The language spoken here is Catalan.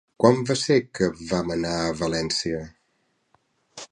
Quan va ser que vam anar a València?